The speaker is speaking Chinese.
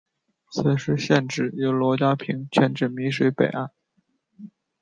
此时县治由罗家坪迁至洣水北岸。